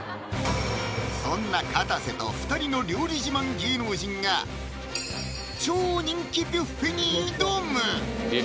そんなかたせと２人の料理自慢芸能人が超人気ビュッフェに挑む！